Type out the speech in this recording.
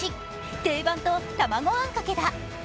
定番と卵あんかけだ。